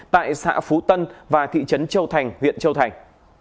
tại xã phú tân và thị trấn châu thành huyện châu thành